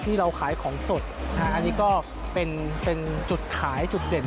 เราขายของสดอันนี้ก็เป็นจุดขายจุดเด่น